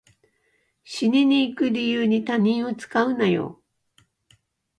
死にに行く理由に他人を使うなよ